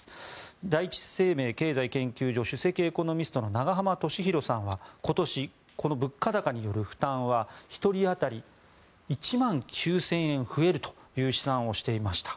第一生命経済研究所首席エコノミストの永濱利廣さんは今年、この物価高による負担は１人当たり１万９０００円増えるという試算をしていました。